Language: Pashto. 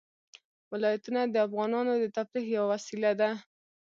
ولایتونه د افغانانو د تفریح یوه وسیله ده.